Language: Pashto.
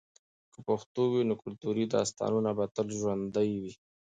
که پښتو وي، نو کلتوري داستانونه به تل ژوندۍ وي.